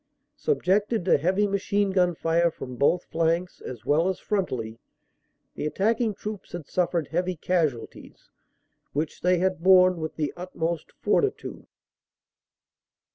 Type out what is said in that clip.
Subjected to heavy machine gun fire from both flanks as well as frontally, the attacking troops had suf fered heavy casualties, which they had borne with the utmost fortitude.